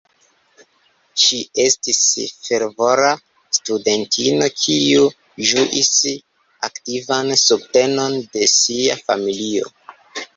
Ŝi estis fervora studentino kiu ĝuis aktivan subtenon de sia familio.